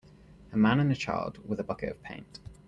A man and a child with a bucket of paint.